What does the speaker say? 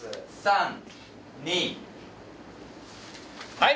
はい。